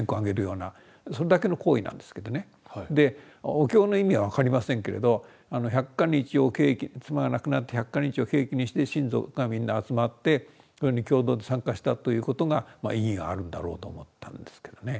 お経の意味は分かりませんけれど百箇日を契機妻が亡くなって百箇日を契機にして親族がみんな集まってそれに共同で参加したということが意義があるんだろうと思ったんですけどね。